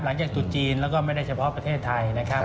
จุดจีนแล้วก็ไม่ได้เฉพาะประเทศไทยนะครับ